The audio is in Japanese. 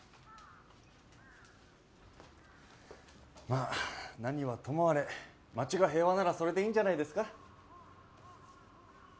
まぁ何はともあれ町が平和ならそれでいいんじゃないですか？